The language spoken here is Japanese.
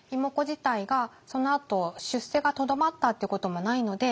自体がそのあと出世がとどまったっていうこともないので。